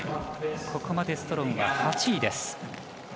ここまでストロンは８位です。